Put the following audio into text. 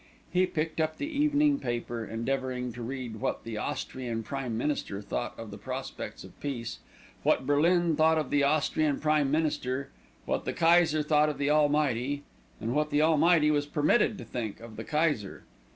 He picked up the evening paper, endeavouring to read what the Austrian Prime Minister thought of the prospects of peace, what Berlin thought of the Austrian Prime Minister, what the Kaiser thought of the Almighty, and what the Almighty was permitted to think of the Kaiser.